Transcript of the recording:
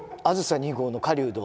「あずさ２号」の狩人。